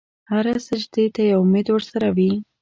هر سجدې ته یو امید ورسره وي.